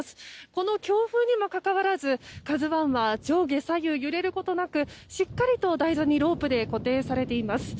この強風にもかかわらず「ＫＡＺＵ１」は上下左右揺れることなくしっかりと台座にロープで固定されています。